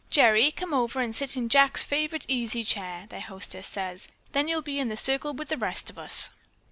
"Gerry, come over and sit in Jack's favorite easy chair," their hostess said. "Then you'll be in the circle with the rest of us."